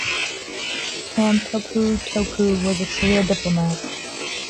Taumoepeau-Tupou was a career diplomat.